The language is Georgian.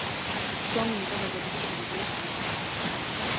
შოუმ მიიღო დადებითი კრიტიკული შეფასება.